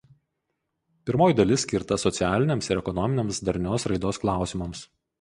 Pirmoji dalis skirta socialiniams ir ekonominiams darnios raidos klausimams.